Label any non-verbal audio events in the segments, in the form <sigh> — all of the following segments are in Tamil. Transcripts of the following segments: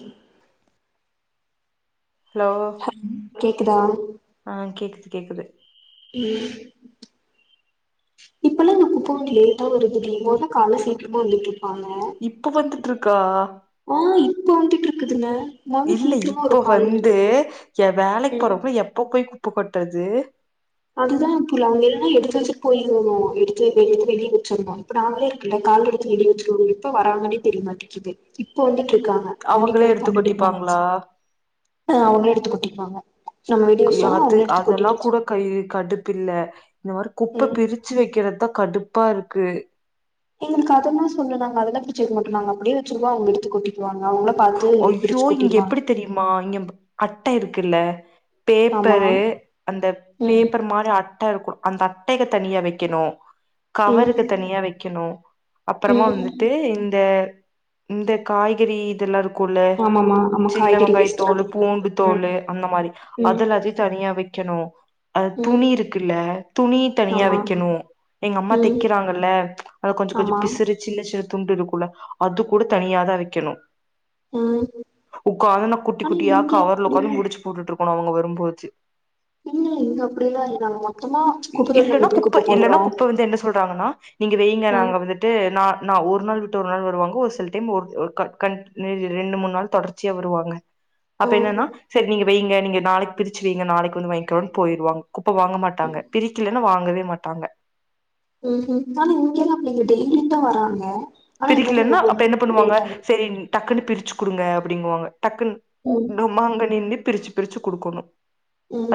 உம் கே தா ஆஹ் கேக்குது கேக்குது <unintelligible> இப்பல்லா இந்த குப்ப வண்டி லேட்டா வருதுடி முன்பெல்லா கால சீக்கரமா வந்துட்டுரு ஆமா இப்ப வந்துட்ருக்கா ஆஹ் இப்ப வந்துட்ரு கொஞ்சோ நேர இல்ல இப்ப வந்து வேலைக்கு போறப்ப எப்ப போ குப்ப கொட்றது அதுதா கிலமே நா எடுத்து வச்சு பொரியல் பண்ணுவோம் எடுத்து வெளிய வச்சிருந்தோனா இப்ப நாங்ளே இந்த கால்ரெடுத்து வெளிய வச்சிருவோ இப்ப வராங்கனே தெரியமாட்டிக்குது இப்போந்து ட்ருக்காங்க அவங்களே மணிப்பேர் எடுத்து பன்னெண்டுக்கு மேலாச்சு கொட்டிப்பாங்களா அவுங்ளே எடுத்து கொட்டிப்பாங்க நம்ம எடுத்து வச்டோனா அவுங்களே எடுத்து கொட்டிட்டு கடுப்பு இல்ல இந்த மாரி குப்ப ம் பிரிச்சு வைவக்கிறதா கடுப்பா இருக்கு எங்களுக்கு அதல்லா சொல்லலங்க அதல்லா பிச்சிவக்கமாட்டோ நாங்க அப்டியே வச்சிருவோ அவுங்க எடுத்து கொட்டிக்குவாங்க அவ்ளோ அய்யோ இங்க எப்படி தெரியுமா இங்க அட்ட இருக்குல்ல ஆமா பேப்பரு அந்த ம் பேப்பர் மார் அட்டருக்கு அந்த அட்டைகள தனியா வைக்கணு கவருக்கு ம் தனியா வைக்கணும் அப்புறமா ம் வந்துட்டு இந்த இந்த காய்கறி இதெல்லா ஆமாமா ஆமா சின்ன காய்கறி வெங்காய வேஸ்ட் தோளு எல்லாத்தையு பூண்டு ம் தோளு அந்த மாதிரி ம் அதெல்லாத்தையும் தனியா வைக்க வைக்கணும் அது ம் துணி இருக்குல்ல துணி தனியா ஆமா வைக்கணும் எங்க அம்மா ம் தைக்கிறாங்கல்ல அத கொஞ்சோ கொஞ்சோ ஆமா பிசுறு சின்ன சின்ன தும் இருக்குல அது கூட தனியாதான் வைக்கணும் ம் உக்காந்து நா குட்டி ஆனா குட்டியா இங்க கவர்ல அப்டிலா உக்காந்து முடிச்சு போட்டுட்டு போனவுங்க வரும்போச்சு இல்ல இங்க அப்டிலா இல்ல நாங்க மொத்தமா குப்ப தொட்டில நம்ம இல்லன்னா எப்டி குப்ப போட்றோ இல்லன்னா குப்ப வந்து என்ன சொல்றாங்கன்னா நீங்க வைங்க ஆ நாங்க வந்துட்டு நா நா‌ ஒரு நாள் விட்டு ஒரு நாள் வருவாங்க ஒரு சில டைம் ஒரு ஒ கன் ரெண்டு மூண் நாள் தொடர்ச்சியா வருவாங்க ஆ அப்ப என்னன்னா செரி நீங்க வைங்க நீங்க நாளைக் பிரிச்சு வைங்க நாளைக்கு வந்து வாயிங்கிறோனு போயிருவாங்க குப்ப வாங்க மாட்டாங்க பிரிக்கல லனா வாங்கவே மாட்டாங்க ம்ஹும் ஆனா இங்கல்லா அப்டில்ல டெய்லியுந்தா வராங்க ஆனா இந்த மாரி பிரிக்கலன்னா ஒவ்வொரு அப்ப என்ன பண்ணுவாங்க லேட் ஆயிரு செரி டக்குன்னு பிரி ச்சு குடுங்க அப்டிங்குவாங்க டக்குன் ம் <unintelligible> பிரிச்சு பிரிச்சு குடுக்கணு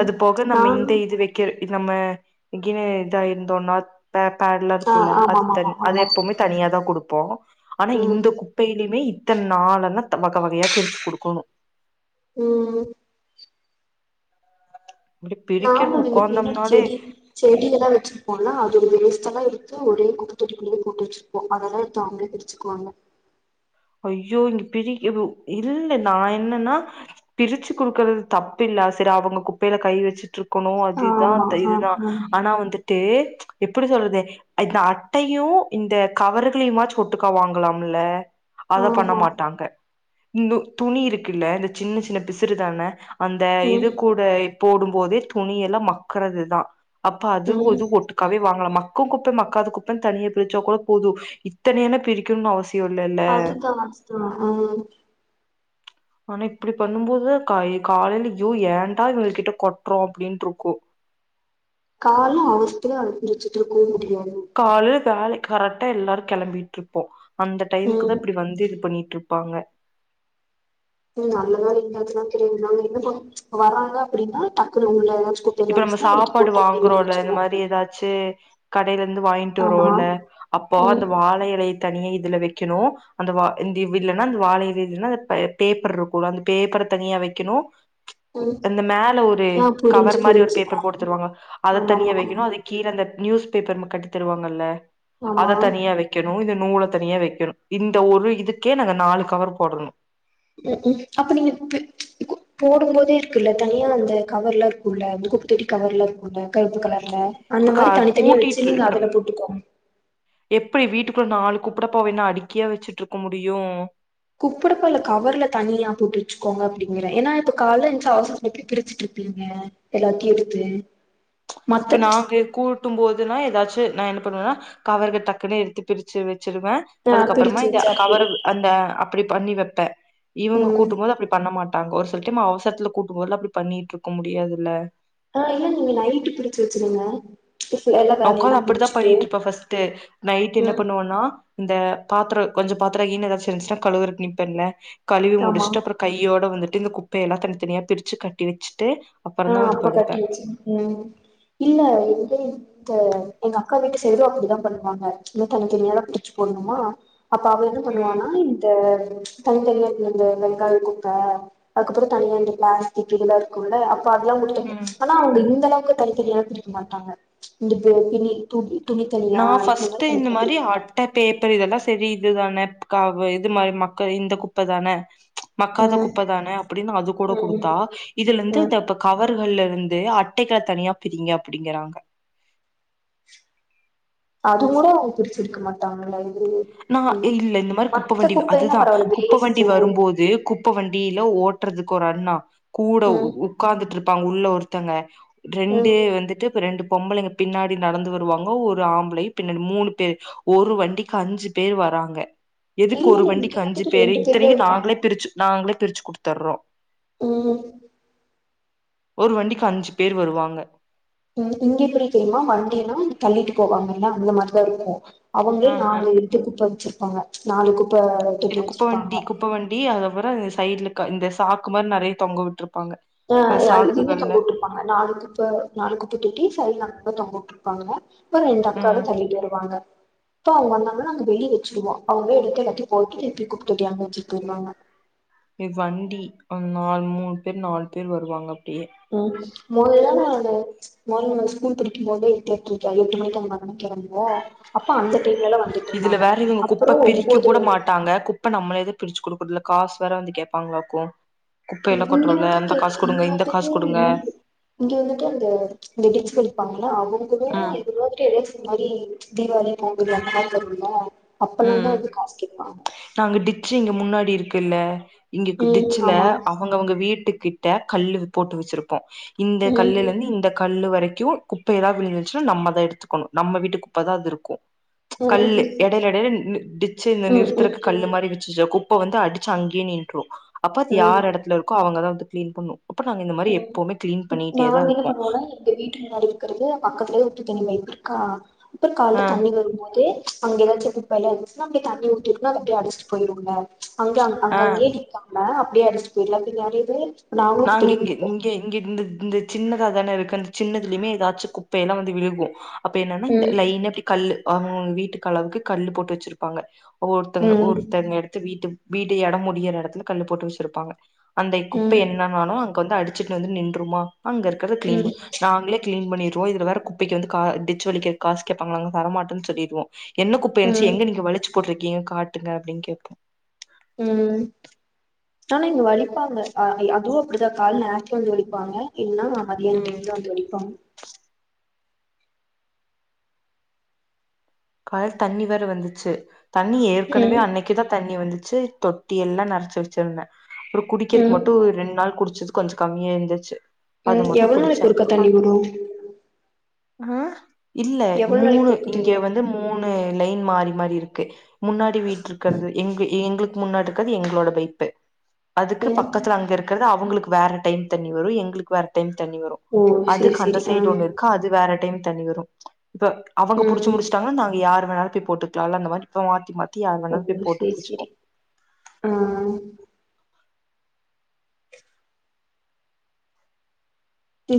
அது போக நம்ம இந்த இது வக்கிற நம்ம இங்கனே இதா இருந்தோன்னா பே பேட்லா ஆ இருக்குல்ல ஆ அது ஆமாமா தன் அது ஆமா எப்போமே தனியா தா குடுக் போ ஆனா ம் இந்த குப்பைலயுமே இத்தன் நாளனா வக வகயா பிரிச்சு குடுக்கணு உம் இப்டி பிரிக்கிறக்கு நாமதுங்க பின்னடி உக்காந்தோம்னாலே செடி செடியல்லா வச்சுருப்போல்ல அதோட வேஸ்ட்டலா எடுத் து ஒரே குப்பதொட்டிக்குள்ளயே போட்டு வச்சிருப்போ அதெல்லா எடுத்து அவுங்களே பிரிச்சுக்குவாங்க ஐயோ இங்க பிரிகவு இல்ல நா என்னன்னா பிரிச்சு குடுக்கறது தப்பில்ல சரி அவுங்க குப்பைல கை வச்சுட்ரு க்கணு அதிதா ஆமா தை ஆ இதுதா ஆ ஆனா வந்துட்டு எப்புடி சொல்றது இந்த அட்டையு இந்த கவர்களையுமாச்சு ஒட்டுக்கா வாங்கலாமுல்ல அத பண்ண ஆமா மாட்டாங்க இந்து துணி இருக்குல்ல இந்த சின்ன சின்ன பிசுறுதான அந்த ம் இது கூட இப் போடும் போதே துணியல்ல மக்குறது தா அப்ப அது ம் இது ஒட்டுக்காவே வாங்கலமா மக்கு குப்பை மக்காத குப்பன் தனியா பிரிச்சா கூட போது இத்தனையான பிரிக்கணுன் அவசிய இல் அதுதா அதுதா உம் ஆனா இப்டி பண்ணும்போது காலைல யோ ஏண்டா இவுங்க கிட்ட கொட்றோ அப்டின்ட்ருக்கு கால்ல அவசத்துல அத பிரிச்சிட்ருக்கவு முடியா காலைல‌ வேலை கரெக்டா எல்லாரும் கிளம்பிட்டு இருப்போம் அந்த டைமுக்கு ம் தான் இப்டி வந்து இது பண்ணிட்டு இருப் பாங்க உம் நல்லதா இருங்கதுல்லாம் தெரியாது நாங்க என்ன வராங்க அப்டின்னா டக்குணும் இப்ப நம்ம சாப்பாடு வாங்குறோம்ல இந்த மாரி ஏதாச்சு கடையில இருந்து வாங்கிட்டு ஆமா வருவேல்ல அப்போ ம் அந்த வாழையலை தனியா இதுல வைக்கணும் அந்த இந்த இல்லன்னா அந்த வாழை பேப்பர் இருக்கும் அந்த பேப்பரை தனியா வைக்கணும் ம் அந்த மேல ஒரு ஆ புரிஞ்சு கவர் மாதிரி ஒரு புரிஞ்சு ஆ பேப்பர் போடுத்துருவாங்க அதை ஆமாமா தண்ணியை வைக்கணும் அது கீழ அந்த நியூஸ் பேப்பர் நமக்கு கட்டி தருவாங்கல்ல ஆமா அத ஆமா தனியா வைக்கணும் இது நூல தனியா வைக்கணும் இந்த ஒரு இதுக்கே நாங்க நாலு கவர் போடணும் உம் உம் அப்ப நீங்க பிரி போடும் போதே இருக்குல்ல தனியா அந்த கவர் எல்லா இருக்கும்ல குப்பத்தோட்டி கவர் எல்லா இருக்கும்ல கருப்பு கலர்ல அந்த இப்ப மாரி தனித்தனியா வச்சு கூட்டிட்டு நீங்க இப்ப அதுல போட்டுக்கோங்க எப்டி வீட்டுக்குள்ள நாலு குப் குப்படப்ப என்ன அடிக்கியா வச்சுட்டு இருக்க முடியும் குப்படப்ப இல கவர்ல தனியா போட்டுருச்சுக்கோங்க அப்டிங்கிறேன் ஏன்னா இப்ப கால எஞ்சா அவசரத்துல எப்படி பிரிச்சுட்டு இருப்பீங்க எல்லாத்தையும் எடுத்து இப்ப மத்த நாங்க கூட்டும் போதுன்னா ஏதாச்சும் நான் என்ன பண்ணுவேனா கவர்ல டக்குன்னு எடுத்து பிரிச்சு வச் வச்சிருவேன் ஆ அதுக்கப்புறமா பிரிச்சு இந்த வச்சு அப்டி கவர அந்த அப்டி பண்ணி வைப்பேன் இவங்க ம் கூட்டும் போது அப்டி பண்ண மாட்டாங்க ஒரு செலடைம் அவசரத்துல கூப்டும் போதுல்ல அப்டி பண்ணிட்டு இருக்க முடியாதுல்ல ஆஹ் இல்ல நீங்க நைட்டு பிரிச்சி வச்சிருங்க எல்லா நான் உக்காந்து வேலையெல்லா அப்டித்தான் முடிச்சுட்டு பண்ணிட்டு இருப்பேன் ஃபஸ்ட்டூ நைட் என்ன ம் பண்ணுவோனா இந்த பாத்திரே கொஞ்சம் பாத்தரம் இன்னு ஏதாச்சும் இருந்துச்சன்னா கழுவரத்துக்கு நிப்பன்ல்ல கழிவி ஆமா முடிச்சுட்டு அப்புறம் கையோட வந்துட்டு இந்த குப்பைய எல்லாம் தனித்தனியா பிரிச்சு கட்டி வச்சுட்டு அப்புறந்தா ஆஹ் வந்து அப்ப கட்டி படுப்பே வச்சு உம் இல்ல இது த எங்க அக்கா வீட்டு சைடு அப்டித்தான் பண்ணுவாங்க இது தனி தனியா பிரிச்சு போடணுமா அப்ப அவ என்ன ம் பண்ணுவானா இந்த தனி தனியாண்டு அந்த வெங்காய குப்பை அதுக்கப்புறம் தனியாண்டு பிளாஸ்டிக் இதெல்லாம் இருக்கும்ல ம் <unintelligible> ஆனா அவங்க இந்த அளவுக்கு எங்கக்கா தனி தனியல்லாம் பிரிக்க மாட்டாங்க இந்த துனி தூவி நான் ஃபஸ்ட்டு இந்த மாரி அட்டை பேப்பர் இதெல்லாம் சரி இதுதானே காவு இது மாரி மக்கள் இந்த குப்ப தான மக்காத ம் குப்ப தான அப்படின்னு அது கூட ம் குடுத்தா இதுலந்து ம் இந்தப்ப கவர் கவர்க இருந்து வந்து அட்டைகள தனியா பிரிங்க அப்படிங்கறாங்க அது கூட அவங்க பிடிச்சிருக்க மாட்டாங்களாயி நா இல்ல இந்த மாரி குப்ப வண்டி குப்பைன்னா அதுதான் பரவால்ல குப்ப வண்டி வேஸ்ட்டு வரும்போது குப்ப வண்டியில ஓட் ட்றதுக்கு ஒரு அண்ணா கூட ம் உக்காந்துட்டுரு ப்பாங்க உள்ள ஒருத்தங்க ம் ரெண்டு வந்துட்டு இப்ப ரெண்டு பொம்பளைங்க பின்னாடி நடந்து வருவாங்க ஒரு ஆம்பளை பின்னாடி மூணு பேர் ஒரு வண்டிக்கு அஞ்சு பேர் வராங்க எதுக்கு இல்ல ஒரு இல்ல இங்க வண்டிக்கு அஞ்சு வந்துட்டு பேரு ரெண்டு பேர் தா இத்தனைக்கும் வருவாங்க நாங்களே பிரிச்சு நாங்களே பிரிச்சு குடுத்தர்றோ உம் ஒரு வண்டிக்கு அஞ்சு பேர் வருவாங்க இங்க எப்டி தெரியுமா வண்டியன்னா தள்ளிட்டு போவாங்கல்ல அந்த மாரிதான் இருக்கும் அவங்களே ஆஹ நாளு இன்டு குப்ப வச்சிருவேன் ப்பாங்க நாளுக்கு இது குப்ப வண்டி குப்பவண்டி அத ம் சைட்ல இந்த சாக்கு மாரி நெறைய தொங்க விட்டுரு ஆஹ் இதுவே தொங்க வுட்டுருப்பாங்க நாலு குப்ப நாலு குப்ப தொட்டி சைடுல அங்கங்க தொங்கு ட்ருப்பாங்க அப்புறம் ரெண்டு ம் அக்காவும் தள்ளிட்டு வருவாங்க இப்ப அவங்க வந்தங்கனா அங்க வெளிய வச்சுருவோம் அவங்க எடுத்து எல்லாத்தையும் பெருக்கி கொட்டிட்டு அங்க வச்சுட்டு போயிருவாங்க எ வண்டி நாலு மூண் பேர் நாலு பேர் வருவாங்க அப்டியே தேங்க்ஸ் மொதல்ல நானு மொதல்ல நா ஸ்கூல் படிக்கும்போது எட்டு எட்டர எட்டு மணிக்கு அதுமாரி தானே கெளம்புவோம் அப்போ அந்த டைம்லலா வந்துட்டு இதுல இருந்தாங்க வேற இவங்க அப்புறோ குப்ப பிரிக்க ஒம்போது கூட மணி மாட்டாங்க குப்ப நம்மளேதா பிரிச்சு குடுக் இதுல காசு வேற வந்து கேபாங்களாக்கும் இங்க வந்து இங்க வந்துட்டு காசு குடுங்க இங் இங்க வந்துட்டு அந்த வெடிச்சு இருப்பாங்க அவங்களும் ம் இது மாதிரி இது மாதிரி தீவாளி பொங்கல் அந்த மாரி வருதுல அப்பலாம் ம் தான் வந்து காசு கேப்பாங்க நாங்க டிச்சி இங்க முன்னாடி இருக்குல்ல இங்க ம் டிச்சுல ஆமா அவங்க அவங்க வீட்டுக் கிட்ட கல்லு போட்டு வச்சிருப்போம் இந்த ம் கல்லுலருந்து இந்த கல்லு வரை கியும் குப்பை எதா விழுந்துருச்சா நம்மதான் எடுத்துக்கணும் நம்ம வீட்டு குப்பை தான் அது இருக்கும் கல் ம் இடையில எடையில டிச்சு இந்த ம் நிறுத் ம் கல்லு மாரி ம் வச்சு ஜோ குப்பை வந்து அடிச்சு அங்கே நின்றும் அப்பது ம் யார் இடத்துல இருக்கோ அவங்கதான் வந்து கிளீன் பண்ணும் ம் நாங்க என்ன இருப்போ பண்ணுவோம்னா எங்க வீட்டு முன்னாடி இருக்குறது பக்கத்துலே உப்பு தண்ணி பைப் இருக்கா அப்புறம் ஆ கால் தண்ணி வரும்போது அங்க எதாச்சும் குப்பல்லா இருந்துச்சுனா அப்படியே தண்ணி ஊத்தி வுட்டனா அப்படியே அடிச்சுட்டு போய்ரும்ல அங்க ஆ அங்கங்கயே நிக்காம அப்பிடியே அடிச்சுட்டு போயிடுலாம் <unintelligible> நாங்களும் நாங்க திடுப்புனி இங்க இங்க இந்த இந்த சின்னதா தானே இருக்கு அந்த சின்னதுலயுமே ஏதாச்சும் குப்பைய எல்லாம் வந்து விழுகும் அப்ப என்னன்னா இந்த ம் லைன் அப்படி கல்லு அவங்கவங்க வீட்டுக்கு அளவுக்கு கல்லு போட்டு வச்சிருப்பாங்க ஒருத்தங்க ம் ஒருத்தங்க எடுத்து வீட்டு வீட்ட இடம் முடியிற இடத்துல கல்லு போட்டு வச்சிருப்பாங்க அந்த குப் ம் என்னனாலும் அங்க வந்து அடி வந்து நின்றுமா அங்க இருறத கிளீன் ம் பண்ண நாங்களே கிளீன் பண்ணிரு இதுல வேற குப்பைக்கு வந்து டிச்சு வலிக்க காசு கேட்பாங்களா நங்க தர மாட்டேன்னு சொல்லிடுவோம் என்ன குப்ப இருச்சு ம் எங்க நீங்க வழிச்சு போட்ரு ஏன் காட்டுங்க அப்படின்னு கேப்போம் ம் ஆனா இங்க வலிப்பாங்க ஆ அதுவும் அப்படிதான் கால் ஆக்கி வந்து வலிப்பாங்க இல் நா மதியானம் ம் கழிச்சு தான் வந்து வலிப்பாங்க கால்ல தண்ணி வேற வந்துச்சு தண்ணி ஏற்கனவே ம் அன்னைக்கு தான் தண்ணி வந்து செரி தொட்டி எல்லாம் நெறச்சு வச்சிருந்தேன் அப்பறம் குடிக்கிறதுக் ம் மட்டும் ரெண்டு நாள் குடுத் கொஞ்சம் கம்மியா இருந்துச்சு அது ம் மட்டு எவ்வளவு புடிச்சே நாளைக்கு ஒருக்கா தண்ணி வரும் அஹ இல்ல எவ்வளோ நாளைக்கு மூணு இங்க குடுத்துட்டீங்க வந்து லைன் மாறி மாறி இருக்கு முன்னாடி வீட்டு இருக்கிறது எங் எங்களு முன்னாடி இருக்கிறது எங்களோட பைப்பு அதுக்கு ம் பக்கத்துல அங்க இருக்கிறது அவங்களுக்கு வேற டைம் தண்ணி வரும் எங்களுக்கு வேற டைம் தண்ணி வரும் ஓ செரி அதுக்கு செரி ஆ அந்தசைடு ஒண்ணு இருக்கா அது வேற டைம் தண்ணி வரும் இப்ப அவங்க ம் புடிச்சுமுடிச் யார் வேணாலும் போய் போட்டுக்கலாம் அந்த மாரி மாத்தி மாத்தி யார் ஓ வேணாலு போய் போட்டு சரி புடிச்சுப்போ சரி ஆஹ்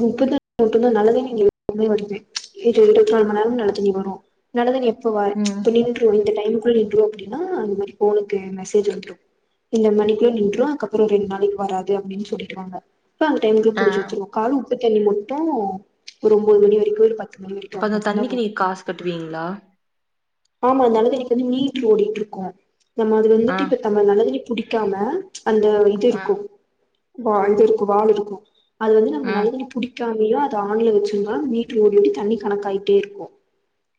உப்பு தண்ணி மட்டும் நல்ல தண்ணி வருது இருபத்திநாலு மணி நேரமும் நல்ல தண்ணி வரும் நல்ல தண்ணி வா ம் இப்ப நின்றும் இந்த லைன் புல் நின்ரும் அப்டின்னா இந்த மாரி போனுக்கு மெசேஜ் வந்துடும் இந்த மணிக்குள்ள நின்றுடும் அதுக்கப்புறம் ரெண்டு நாளைக்கு வராது அப்டின்னு சொல்லிருவாங்க அப்பா அந்த டைமுக்கு ஆ புடிச்சு வச்சுருவோம் கால் உப்பு தண்ணி மட்டும் ஒரு ஒன்பது மணி வரைக்கும் ஒரு பத் அப்ப அந்த தண்ணிக்கு நீங்க காசு கட்டுவீங்களா ஆமா நல்ல தண்ணீக்குவந்து மீட்ரு ஓடிட்டுருக்கும் நம்ம அது ஆ வந்துட்டு இப்ப நல்ல தண்ணி புடிக்காம அந்த ம் இதுருக்கும் வாலு இருக்கும் வால் இருக்கும் அது நல்ல ம் தண்ணி புடி இல்லமையும் அது ஆன்ல வச்சிருந்தா மீட்டரு ஓடி ஓடி தண்ணி கணக் ஆயிட்டே இருக்கும்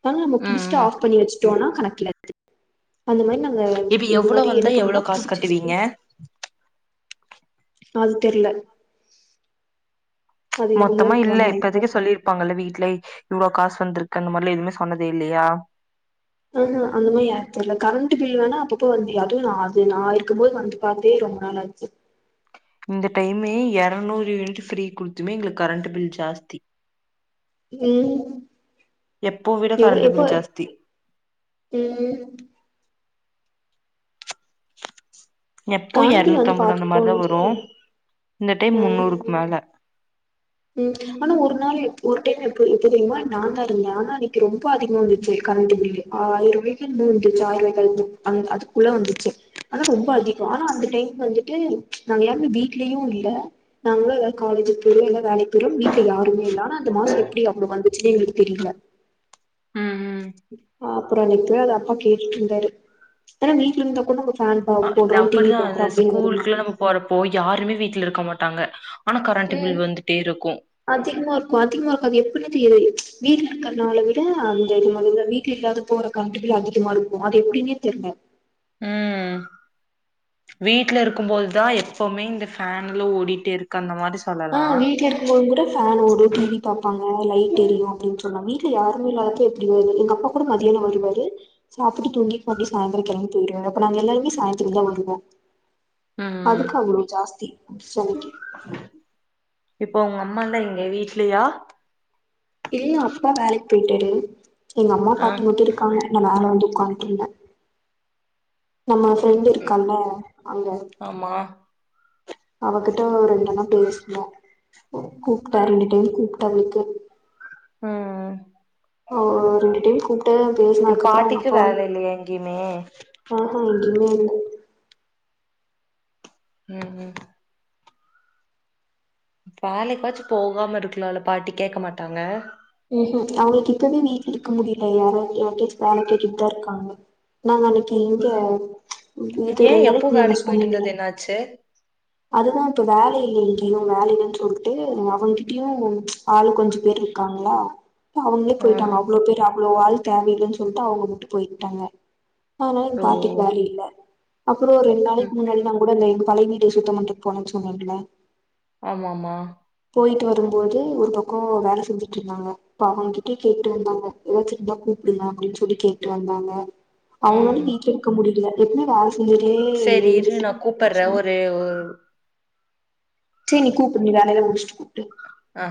அதனால நம்ம புடிச்சுட்டு ம் ஆஃப் பண்ணியாச்சு <unintelligible> அந்த மாதிரி நாங்க இப்ப இது எவ்ளோ மாதிரி வந்தா என்ன எவ்ளோ பண்ணறோம்னா காசு புடிச்சுக்கிட்டே கட்டுவீங்க அது தெரில மொத்தமா இல்ல இப்போதைக்கு சொல்லியிருப்பாங்கல்ல வீட்ல இவ்ளோ காசு வந்திருக்குன்னு இந்த மாதிரி எதுவுமே சொன்னதே இல்லையா ஆஹ் ஆஹ் அந்த மாதிரி தெர்ல கரண்ட் பில் வேணா அப்பப்போ வந்து அதுவும் நான் அது நான் இருக்கும்போது வந்து பாத்தே ரொம்ப நாளா இருச்சு இந்த டைமே இருநூறு யூனிட் ஃரீ குடுத்துமே எங்களுக்கு கரண்ட் பில் ஜாஸ்தி உம் எப்போ விட எ கரண்ட் எப்போ பில் ஜாஸ்தி உம் எப்போ கான்பில் எருநூத்தி வந்து அம்பது அந்த பாத்துட்டு மாதிரிதான் போனுச்சு வரும் இந்த டைம் ஆ முன்னூறுக்கு மேல ஆனா ஒரு நாள் ஒரு டைம் எப்ப எப்போ தெரியுமா நான்தான் இருந்தேன் ஆனா அன்னைக்கு ரொம்ப அதிகம் இருந்துச்சு கரண்ட் பில் ஆயிரம் ராய மூ இருந்துச்சு ஆயிரபாய் அதுக்குள்ள வந்துச்சு ஆனா ரொம்ப அதிகம் ஆனா அந்த டைம் வந்துட்டு நாங்க யாருமே வீட்லயும் இல்ல நாங்களும் எல்ல காலேஜ் போய் எல்லாம் வேலைக்கு வெறும் வீட்ல யாருமே இல்லாம அந்த மாசம் எப்படி அப்புடி வந்துச்சுனே எங்களுக் தெரியல ம் ம் அப்புறம் இப்பயே அது அப்பா கேட்டுட்டு இருந்தாரு ஏன்னா வீட்டுல இருந்தா கூட ஒரு அஹ் அப்படிதான் அந்த ஸ்கூலுக்குள்ளாம் நம்ம போறப்போ யாருமே வீட்டுல இருக்க இருக்க மாட்டாங்க ஆனா கரண்ட் உம் பில் வந்துட்டே இருக்கு அதிகமா இருக்கும் அதிகமா இருக்கும் வீடு இருக்கறனால விட அந்த இது மாதிர வீட்டுல இல்லாத போற கரண்டுகள் அதிகமா இருக்கும் அது எப்படின்னே தெரியல உம் வீட்டுல இருக்கும்போதுதான் எப்பவுமே இந்த ஃபேன்லாம் ஓடிட்டே இருக்கு அந்த மாதிரி ஆஹ் வீட்டுல இருக்கும் போது கூட ஃபேன் ஓடும் டிவி பாப்பாங்க லைட் எரியும் அப்படின்னு சொல்லாமே யாருமே இல்லாதப்ப எப்படி வருது எங்க அப்பா கூட மதியானம் வருவாரு சாப்பிட்டு தூங்கிக்கிட்டு மறுபடி சாயந்திரம் கிளம்பி போயிடுவா அப்ப நாங்க எல்லாருமே சாயந்திரம் தான் வருவோம் ம் ம் அதுக்கு அவ்வளவு ஜாஸ்தி செனைக்கு இப்போ உங்க அம்மா லா எங்க வீட்லயா இல்ல அப்பா வேலைக்கு போயிட்டாரு எங்க அம்மா ஆ பாத்தங்கட்டு இருக்காங்க நான் மேல வந்து உட்காட்டு இருந்தேன் நம்ம ஃப்ரெண்ட் இருக்காங்க அங்க ஆமா அவகிட்ட ஒரு என் பேசுவேன் கூப்பிட்டா ரெண்டு கூப்பிட்ட வீட்டுக்கு உம் உம் அ ஆ ரெண்டு டைம் கூ இ பாட்டிக்கு வேலை இல்லையா எங்கேயுமே எங்கையுமே இல்ல உம் உம் வேலைக்காச்சு போகாம இருக்கலாம்ல்ல பாட்டி கேட்க மாட்டாங்க ஹு ஹு அவங்களுக்கு இப்பவே வீட்ல இருக்க முடியல யார யா வேலை கேட்டுட்டு தான் இருக்காங்க நாங்க அன்னைக்கு எங்க இது ஏன் ரெண்டு எப்போ நாளைக்கு முன்ன நா வேலைக்கு போயிட்டு சொன்னேல இருந்தது என்னாச்சு அதுதான் இப்ப வேல எங்கயும் வேலைலன்னு சொல்லிட்டு அவங்கிட்டயும் ஆள் கொஞ்சோ பேர் இருக்காங்க களா அவங்களே ஆ போயிட்டாங்க அவ்வளோ பேர் அவ்வளோ ஆள் தேவையில்லன்னு சொல்ட்டு அவுங்க வுட்டுட் போயிட்டாங்க ஆனா எ ஓ பாட்டிக்கு வேல இல்ல அப்புற ஒரு ரெண் நாளைக்கு ம் முன்னாடி நா <unintelligible> பலைய வீடு சுத்தமன்றக் போனன் சொன்னேன்ல ஆமா ஆமா போயிட்டு வரும்போது ஒரு பக்கோ வேல செஞ்சி ட்ருந்தாங்க இப்ப அவுகிட்டே கேட்டு வந்தாங்க <unintelligible> கூப்பிடுங்க அப்டின்னு சொல்லி கேட்டு வந்தாங்க அவுங்களாலு வீட்ல இருக்க முடியல எப்டி வா செரி இரு நா கூப்பற்ற ஒரு ஒரு செரி நீ கூப்டு நீ வேல எல்லா முடிச்சிட்டு கூப் அ